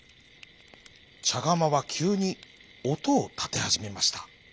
ちゃがまはきゅうにおとをたてはじめました。